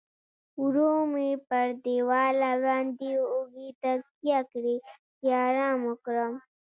ورو مې پر دیواله باندې اوږې تکیه کړې، چې ارام وکړم.